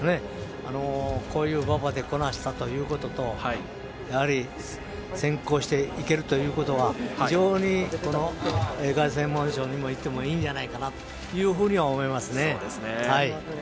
こういう馬場でこなしたということと先行していけるということは非常に凱旋門賞にいってもいいんじゃないかなというふうにも思いますね。